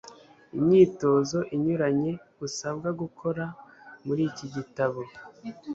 Imyitozo inyuranye usabwa gukora Muri iki gitabo